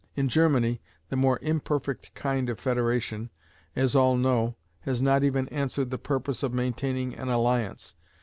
In Germany, the more imperfect kind of federation, as all know, has not even answered the purpose of maintaining an alliance.